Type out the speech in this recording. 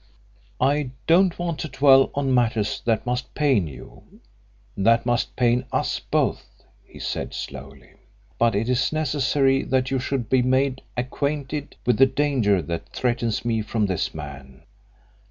"I don't want to dwell on matters that must pain you that must pain us both," he said slowly, "but it is necessary that you should be made acquainted with the danger that threatens me from this man.